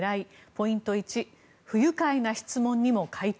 ポイント１不愉快な質問にも回答。